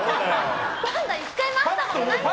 パンダ１回も会ったことないんだよ。